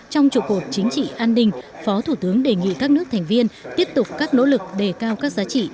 trong trụ cột chính trị an ninh phó thủ tướng đề nghị các nước thành viên tiếp tục các nỗ lực đề cao các giá trị